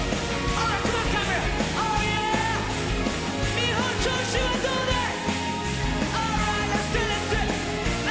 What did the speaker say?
日本調子はどうだい？